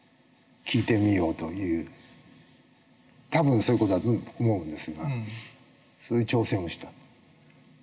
多分そういう事だと思うんですがそういう挑戦をした。